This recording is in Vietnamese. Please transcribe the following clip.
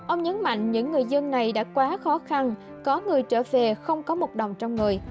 ông nhấn mạnh những người dân này đã quá khó khăn có người trở về không có một đồng trong người